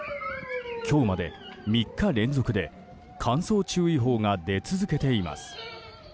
今日まで３日連続で乾燥注意報が出続けています。